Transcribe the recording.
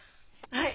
はい！